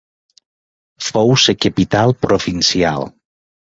Fou la capital provincial.